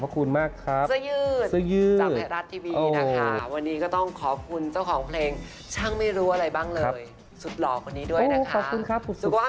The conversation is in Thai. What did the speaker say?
เป็นเรื่องดีที่ผู้ใหญ่ได้บอกไว้นะครับ